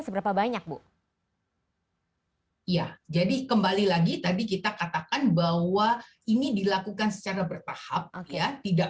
seberapa banyak bu ya jadi kembali lagi tadi kita katakan bahwa ini dilakukan secara bertahap ya tidak